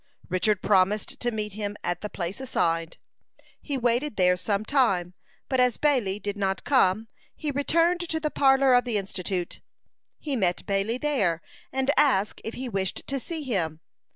Richard promised to meet him at the place assigned. He waited there some time, but as Bailey did not come, he returned to the parlor of the Institute. He met Bailey there, and asked if he wished to see him.